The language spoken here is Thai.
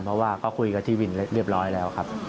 เพราะว่าก็คุยกับเจษนนี่บ้านเรียบร้อยแล้วครับ